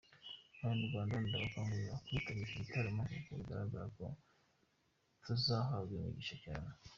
Abanyarwanda ndabakangurira kwitabira iki gitaramo kuko bigaragara ko tuzahabwa imigisha cyane.